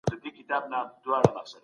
افغانانو د خپلواکۍ لپاره همکاري وکړه.